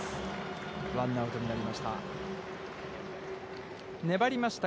ワンアウトになりました。